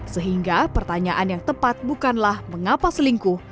sehingga pertanyaan yang tepat bukanlah mengapa selingkuh